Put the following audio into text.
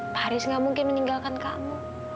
pak haris gak mungkin meninggalkan kamu